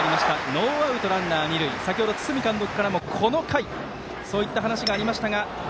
ノーアウト、ランナー、二塁先ほど堤監督からも、この回とそういった話がありました。